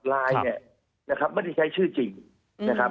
ไลน์เนี่ยนะครับไม่ได้ใช้ชื่อจริงนะครับ